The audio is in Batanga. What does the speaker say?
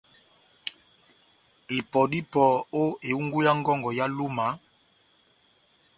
Ipɔ dá ipɔ ó ehungu yá ngɔngɔ ya Lúma,